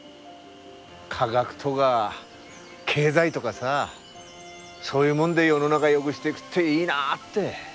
科学とか経済とかさそういうもんで世の中よぐしていぐっていいなって。